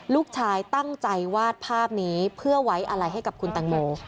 ลูกชายตั้งใจวาดภาพนี้เพื่อไว้อะไรให้กับคุณตังโม